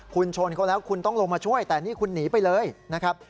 คุณชนเขาแล้วคุณต้องลงมาช่วยแต่นี่คุณหนีไปเลยนะครับ